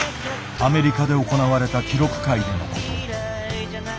アメリカで行われた記録会でのこと。